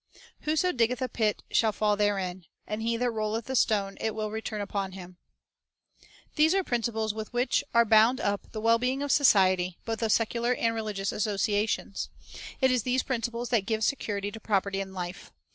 "Whoso diggeth a pit shall fall therein; and he that rolleth a stone, it will return upon him." 7 These are principles with which are bound up the Basis of well being of society, of both secular and religious Confidence .. associations. It is these principles that give security to property and life.